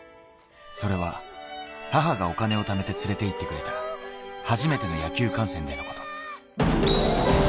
それは母がお金を貯めて連れて行ってくれた初めての野球観戦の日のこと。